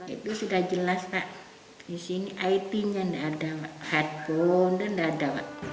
itu sudah jelas pak di sini it nya tidak ada hardphone nya tidak ada